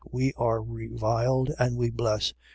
We are reviled: and we bless.